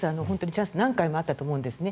チャンスは何回もあったと思うんですね。